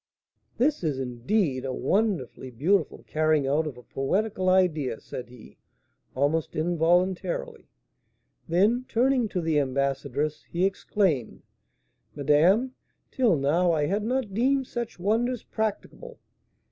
"This is, indeed, a wonderfully beautiful carrying out of a poetical idea," said he, almost involuntarily; then, turning to the ambassadress, he exclaimed, "Madame, till now, I had not deemed such wonders practicable.